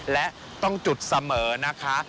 และต้องจุดเสมอนะคะ